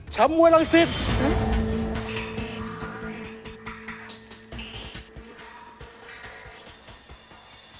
ชามมวยหลังศิษฐ์